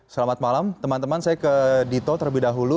selamat malam teman teman saya ke dito terlebih dahulu